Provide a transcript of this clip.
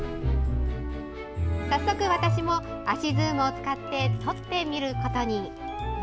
早速、私も足ズームを使って撮ってみることに。